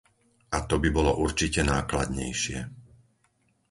A to by bolo určite nákladnejšie.